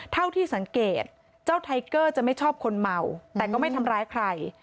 เท่าที่สังเกตเจ้าไทเกอร์จะไม่ชอบคนเมาแต่ก็ไม่ทำร้ายใคร